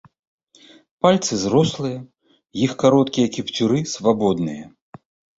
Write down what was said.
Пальцы зрослыя, іх кароткія кіпцюры свабодныя.